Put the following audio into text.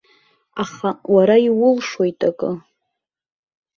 Аха уара иулшоит акы.